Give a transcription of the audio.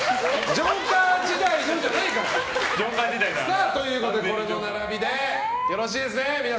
ジョーカー時代じゃないから。ということでこの並びでよろしいですね。